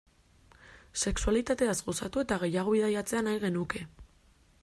Sexualitateaz gozatu eta gehiago bidaiatzea nahi genuke.